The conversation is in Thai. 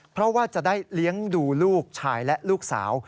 เพราะว่าจะได้เลี้ยงดูลูกชายและลูกสาว